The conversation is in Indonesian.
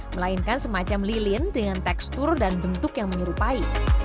melainkan semacam lilin dengan tekstur dan bentuk yang menyerupai